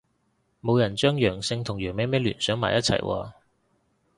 冇人將陽性同羊咩咩聯想埋一齊喎